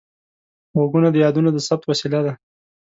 غوږونه د یادونو د ثبت وسیله ده